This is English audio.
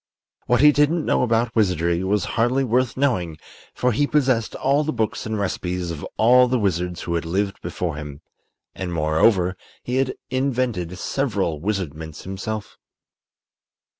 What he didn't know about wizardry was hardly worth knowing, for he possessed all the books and recipes of all the wizards who had lived before him; and, moreover, he had invented several wizardments himself.